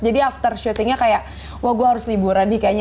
jadi after syutingnya kayak wah gue harus liburan nih kayaknya